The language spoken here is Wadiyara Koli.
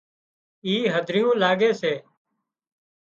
اِي هڌريون لاڳي سي